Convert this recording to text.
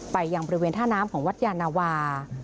ไปยังบริเวณท่าน้ำของวัดยานาวา